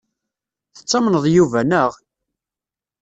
Tettamneḍ Yuba, naɣ?